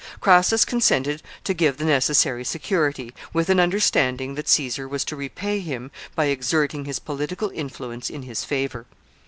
Crassus consented to give the necessary security, with an understanding that Caesar was to repay him by exerting his political influence in his favor.